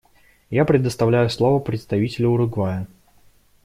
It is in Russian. Я предоставляю слово представителю Уругвая.